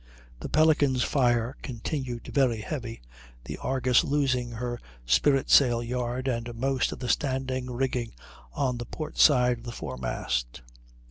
The Pelican's fire continued very heavy, the Argus losing her spritsail yard and most of the standing rigging on the port side of the foremast.